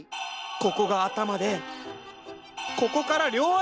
ここが頭でここから両足？